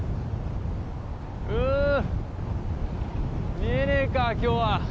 う見えねえか今日は。